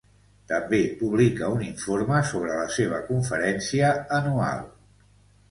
També publica un informe sobre la seva conferència anual.